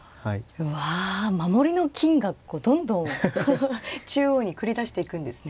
うわ守りの金がどんどん中央に繰り出していくんですね。